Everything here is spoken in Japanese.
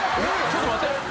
ちょっと待って！